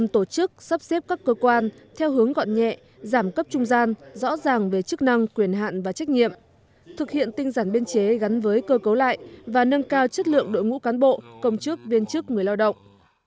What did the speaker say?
tổ chức sắp xếp các cơ quan theo hướng gọn nhẹ giảm cấp trung gian rõ ràng về chức năng quyền hạn và trách nhiệm thực hiện tinh giản biên chế gắn với cơ cấu lại và nâng cao chất lượng đội ngũ cán bộ công chức viên chức người lao động